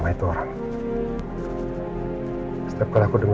atsuru untuk aku miten kecelakaan